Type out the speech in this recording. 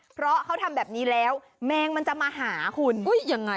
เพราะเขาทำแบบนี้แล้วแมงมันจะมาหาคุณ